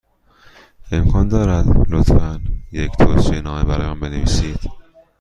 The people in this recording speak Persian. امکان دارد، لطفا، یک توصیه نامه برای من بنویسید؟